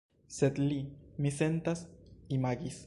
Sed li, mi sentas, imagis.